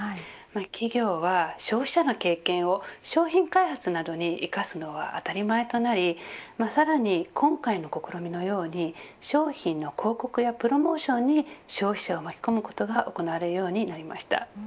企業は消費者の経験を商品開発などに生かすのは当たり前となりさらに、今回の試みのように商品の広告やプロモーションに消費者を巻き込むことが行われるようになりました。